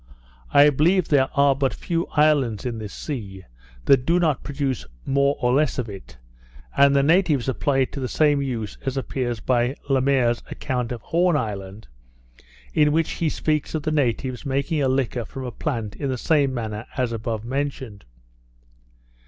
I believe there are but few islands in this sea, that do not produce more or less of it; and the natives apply it to the same use, as appears by Le Mair's account of Horn Island, in which he speaks of the natives making a liquor from a plant in the same manner as above mentioned.